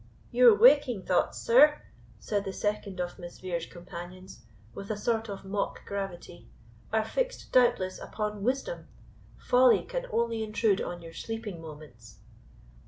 "Your waking thoughts, sir," said the second of Miss Vere's companions, with a sort of mock gravity, "are fixed, doubtless, upon wisdom; folly can only intrude on your sleeping moments."